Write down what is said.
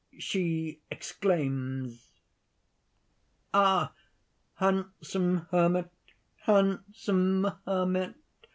She exclaims_: "Ah! handsome hermit! handsome hermit!